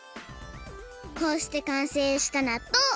こうしてかんせいしたなっとう！